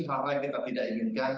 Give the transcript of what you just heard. harap kita tidak inginkan